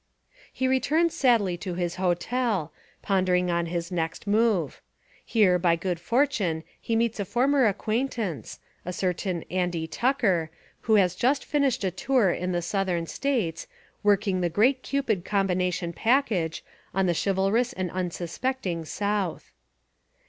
He returns sadly to his hotel, pondering on his next move. Here by good fortune he meets a former acquaintance, a certain Andy Tucker, who has just finished a tour in the Southern States, working the Great Cupid Combination Package on the chivalrous and unsuspecting south.